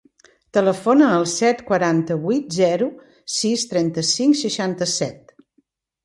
Telefona al set, quaranta-vuit, zero, sis, trenta-cinc, seixanta-set.